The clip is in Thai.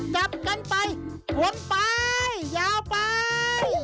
จับกันไปขนไปยาวไป